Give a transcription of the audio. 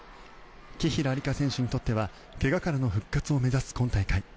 紀平梨花選手にとっては怪我からの復活を目指す今大会。